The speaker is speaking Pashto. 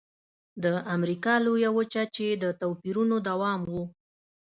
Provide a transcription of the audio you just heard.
د امریکا لویه وچه کې د توپیرونو دوام و.